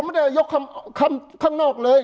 ไม่ได้ยกคำข้างนอกเลย